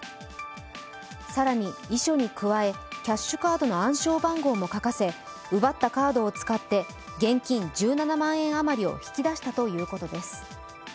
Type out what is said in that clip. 更に遺書に加え、キャッシュカードの暗証番号も書かせ奪ったカードを使って現金１７万円余りを引き出したということです。